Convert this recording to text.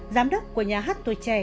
giám đốc của nhà hát tuổi trẻ